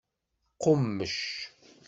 Qummec.